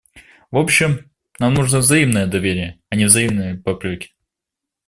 В общем, нам нужно взаимное доверие, а не взаимные попреки.